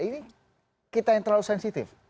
ini kita yang terlalu sensitif